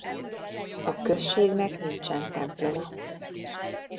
A községnek nincsen temploma.